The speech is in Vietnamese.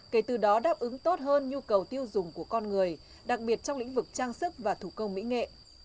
kể từ đó đáp ứng tốt hơn nhu cầu tiêu dùng của con người đặc biệt trong lĩnh vực trang sức và thủ công mỹ nghệ